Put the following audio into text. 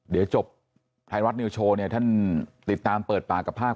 เดี๋ยวจบไทยรัฐนิวโชว์เนี่ยท่านติดตามเปิดปากกับภาค